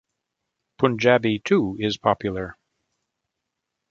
Punjabi, too is popular.